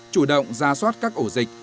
chủ động ra soát các ổ dịch